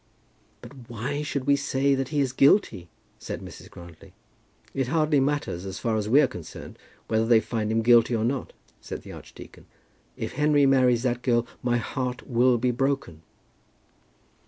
"But why should we say that he is guilty?" said Mrs. Grantly. "It hardly matters as far as we are concerned, whether they find him guilty or not," said the archdeacon; "if Henry marries that girl my heart will be broken."